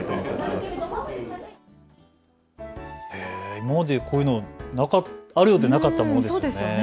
今までこういうのあるようでなかったですね。